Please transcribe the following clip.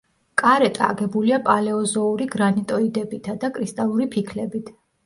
კარეტა აგებულია პალეოზოური გრანიტოიდებითა და კრისტალური ფიქლებით.